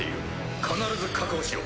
必ず確保しろ。